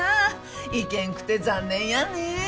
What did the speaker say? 行けんくて残念やね。